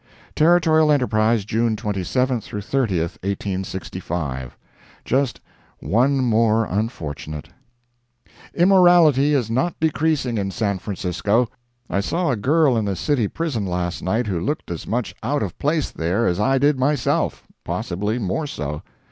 Territorial Enterprise, June 27—30, 1865 JUST "ONE MORE UNFORTUNATE" Immorality is not decreasing in San Francisco. I saw a girl in the city prison last night who looked as much out of place there as I did myself—possibly more so.